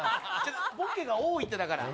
ボケが多いって、だから。